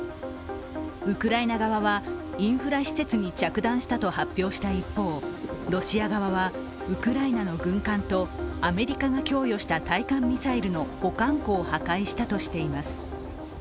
ウクライナ側はインフラ施設に着弾したと発表した一方、ロシア側はウクライナの軍艦とアメリカが供与した対艦ミサイルの保管庫を破壊したとしています。